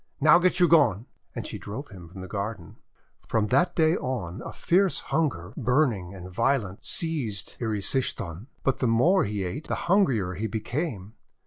Now get you gone!' And she drove him from the garden. From that day on a fierce hunger, burning and violent, seized Erysichthon. But the more he ate the hungrier he became.